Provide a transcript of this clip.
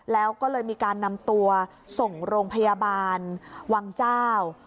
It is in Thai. แล้วก็เลยมีการนำตัวส่งโรงพยาบาลวังเจ้า